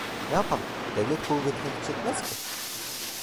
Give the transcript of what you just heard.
Ne yapalım, devlet kuvvetine güç yetmez ki.